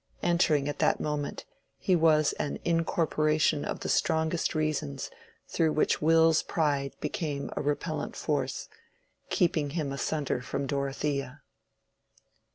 Entering at that moment, he was an incorporation of the strongest reasons through which Will's pride became a repellent force, keeping him asunder from Dorothea.